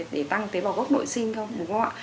để tăng tế bào gốc nội sinh không đúng không ạ